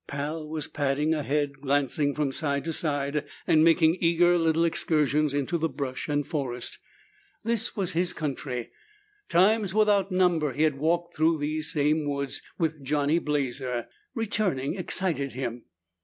Pal was padding ahead, glancing from side to side and making eager little excursions into the brush and forest. This was his country. Times without number he had walked through these same woods with Johnny Blazer. Returning excited him.